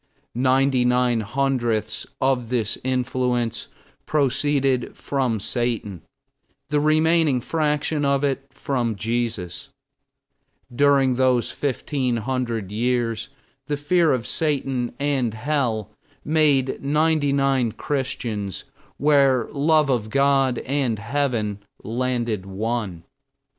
Ninety nine hundredths of this influence proceeded from Satan, the remaining fraction of it from Jesus. During those 1500 years the fear of Satan and Hell made 99 Christians where love of God and Heaven landed one.